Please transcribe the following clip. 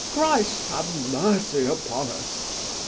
Christ, have mercy upon us!